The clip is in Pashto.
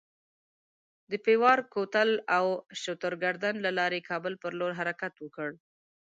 د پیواړ کوتل او شترګردن له لارې کابل پر لور حرکت وکړ.